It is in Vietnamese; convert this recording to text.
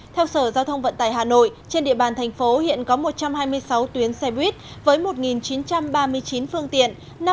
theo sở giao thông vận tải hà nội trên địa bàn thành phố hiện có một trăm hai mươi sáu tuyến xe buýt với một chín trăm ba mươi chín phương tiện